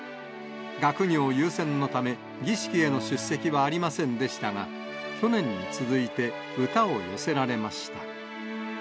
学業優先のため、儀式への出席はありませんでしたが、去年に続いて、歌を寄せられました。